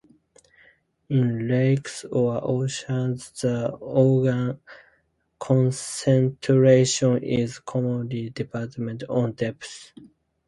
In lakes or oceans the oxygen concentration is commonly dependent on depth.